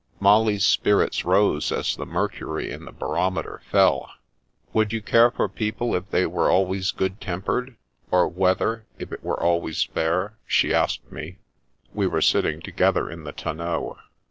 Molly's spirits rose as the mercury in the barom eter fell. " Would you care for people if they were always good tempered, or weather if it were always fair?" she asked me (we were sitting together in the tonneau.